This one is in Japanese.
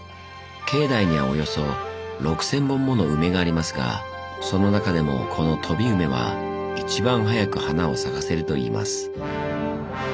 境内にはおよそ６，０００本もの梅がありますがその中でもこの「飛梅」は一番早く花を咲かせるといいます。